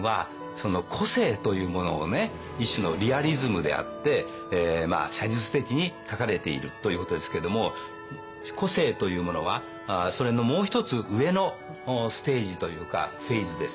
一種のリアリズムであって写実的に描かれているということですけれども個性というものはそれのもう一つ上のステージというかフェーズですね。